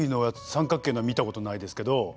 三角形のは見たことないですけど。